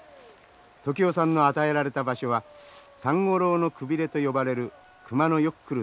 時男さんの与えられた場所はさんごろうのくびれと呼ばれる熊のよく来るところでした。